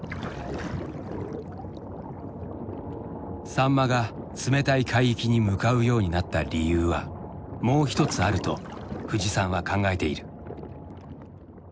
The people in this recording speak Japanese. サンマが冷たい海域に向かうようになった理由はもう一つあると冨士さんは考えている。